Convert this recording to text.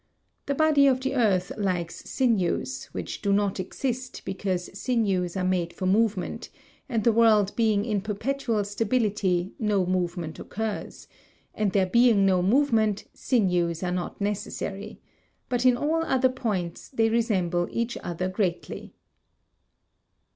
The body of the earth lacks sinews, which do not exist because sinews are made for movement, and the world being in perpetual stability no movement occurs, and there being no movement, sinews are not necessary; but in all other points they resemble each other greatly.